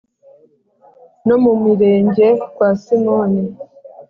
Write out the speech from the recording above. no mu mirenge kwa simoni